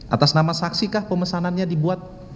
atas nama saksi kah pemesanannya dibuat